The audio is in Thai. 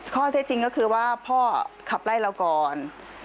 ข้อเท็จจริงก็คือว่าพ่อขับไล่เราก่อน